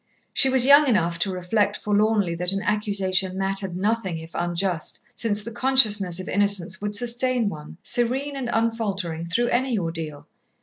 She was young enough to reflect forlornly that an accusation mattered nothing if unjust, since the consciousness of innocence would sustain one, serene and unfaltering, through any ordeal.